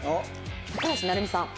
「高橋成美さん」。